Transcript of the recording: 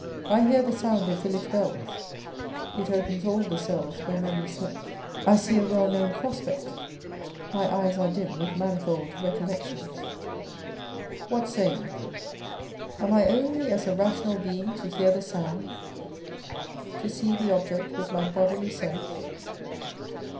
I hear the sound of village bells â€" it " opens all the cells where memory slept" â€" I sec a well known prospect, my eyes are dim with manifold recollections. What say you ? Am I only as a rational being to hear the sound, to see the object with my bodily sense?